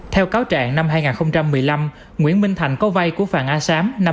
theo cáo trạng năm hai nghìn một mươi năm nguyễn minh thành có vay của phạm a sám